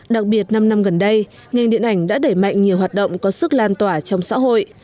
đặc biệt năm năm gần đây ngành điện ảnh đã đẩy mạnh nhiều hoạt động có sức lan tỏa trong xã hội